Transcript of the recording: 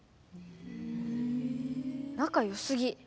なかよすぎ。